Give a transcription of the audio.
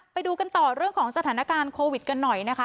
ไปดูกันต่อเรื่องของสถานการณ์โควิดกันหน่อยนะคะ